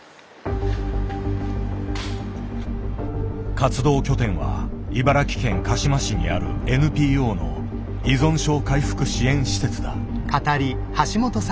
活動拠点は茨城県鹿嶋市にあるＮＰＯの依存症回復支援施設だ。